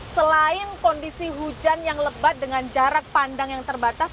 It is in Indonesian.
selain kondisi hujan yang lebat dengan jarak pandang yang terbatas